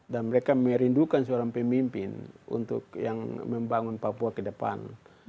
dan mereka merindukan seorang pemimpin untuk yang membangun papua ke depan